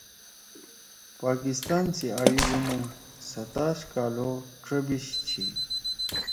پاکستان سی آجُوک عُمُو ستاش کال او ڇبیِݜ چھی۔